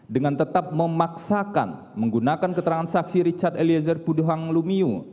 dengan tetap memaksakan menggunakan keterangan saksi richard eliezer pudohang lumiu